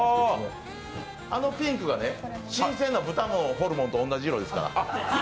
あのピンクが新鮮な豚のホルモンと同じ色ですから。